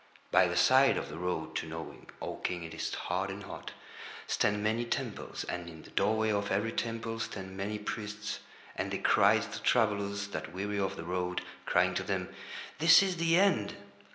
By the side of the road to Knowing—O King, it is hard and hot—stand many temples, and in the doorway of every temple stand many priests, and they cry to the travellers that weary of the road, crying to them: "This is the End."